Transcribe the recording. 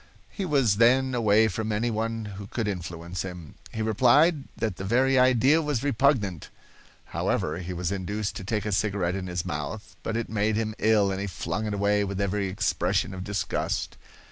He was then away from any one who could influence him. He replied that the very idea was repugnant. However, he was induced to take a cigarette in his mouth, but it made him ill and he flung it away with every expression of disgust.